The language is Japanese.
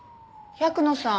百野さん！